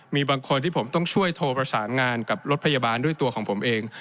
มีบางคนที่ผมต้องช่วยโทรประสานงานกับรถพยาบาลด้วยตัวของผมเอง